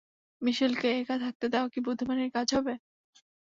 মিশেলকে একা থাকতে দেওয়া কি বুদ্ধিমানের কাজ হবে?